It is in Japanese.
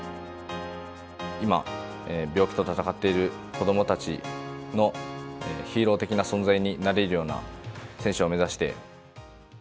今、病気と闘っている子どもたちのヒーロー的な存在になれるような選手を目指して。